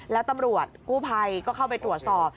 แล้วตำรวจกู้ภัยก็เข้าไปตรวจสอบ